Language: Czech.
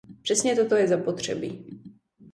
Přesně toto je zapotřebí.